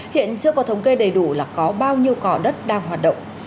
hiện chưa có thống kê đầy đủ là có bao nhiêu cỏ đất đang hoạt động